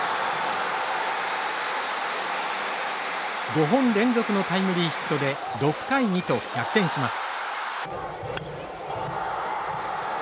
５本連続のタイムリーヒットで６対２と逆転します。